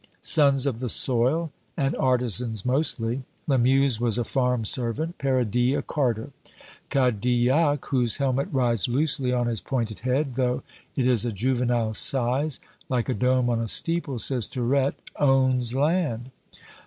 Sons of the soil and artisans mostly. Lamuse was a farm servant, Paradis a carter. Cadilhac, whose helmet rides loosely on his pointed head, though it is a juvenile size like a dome on a steeple, says Tirette owns land.